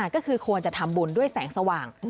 ก็คือควรจะทำบุญด้วยแสงสว่าง